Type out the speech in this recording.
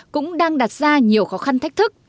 cũng đang đạt ra nhiều khó khăn thách thức